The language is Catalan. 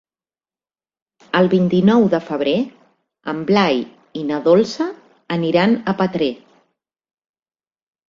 El vint-i-nou de febrer en Blai i na Dolça aniran a Petrer.